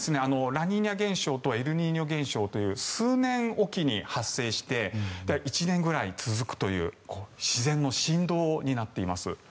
ラニーニャ現象とエルニーニョ現象という数年おきに発生して１年ぐらい続くという自然の振動になっています。